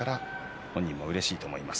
本人もうれしいと思います。